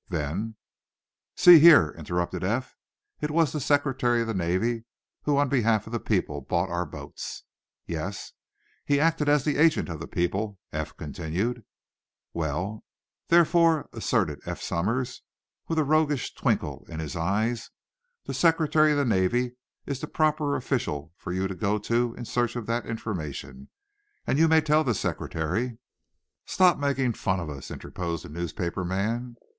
"Then " "See here," interrupted Eph, "it was the Secretary of the Navy, who on behalf of the people, bought our boats." "Yes " "He acted as the agent of the people," Eph continued. "Well " "Therefore," asserted Eph Somers, with a roguish twinkle in his eyes, "the Secretary of the Navy is the proper official for you to go to in search of that information. And you may tell the Secretary " "Stop making fun of us," interposed a newspaper man.